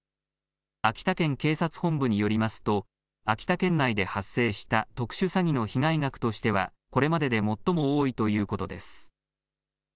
秋田県警察本部によりますと秋田県内で発生した特殊詐欺の被害額としてはこれまでで最も多いということです。